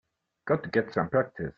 Got to get some practice.